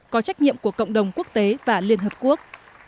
có trách nhiệm của cộng đồng quốc tế và liên hợp quốc